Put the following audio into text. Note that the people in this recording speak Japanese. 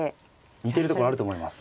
似てるところあると思います。